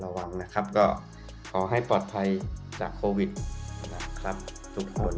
ระวังนะครับก็ขอให้ปลอดภัยจากโควิดนะครับทุกคน